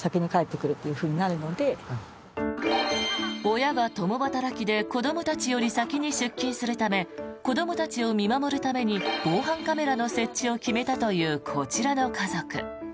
親が共働きで子どもたちより先に出勤するため子どもたちを見守るために防犯カメラの設置を決めたというこちらの家族。